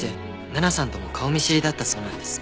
奈々さんとも顔見知りだったそうなんです。